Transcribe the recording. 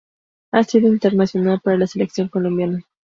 Ha sido internacional para la Selección Colombia.